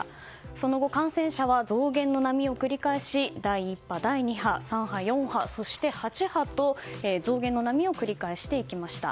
その後、感染者は増減の波を繰り返し第１波、第２波、３波、４波そして８波と増減の波を繰り返していきました。